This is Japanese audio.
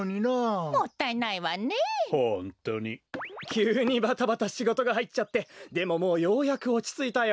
きゅうにバタバタしごとがはいっちゃってでももうようやくおちついたよ。